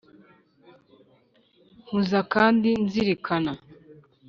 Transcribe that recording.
Nkuza kandi nzirikana